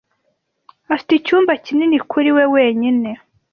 Afite icyumba kinini kuri we wenyine.